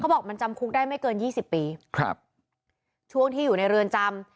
บอกมันจำคุกได้ไม่เกินยี่สิบปีครับช่วงที่อยู่ในเรือนจำ